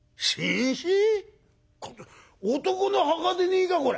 これ男の墓でねえかこれ」。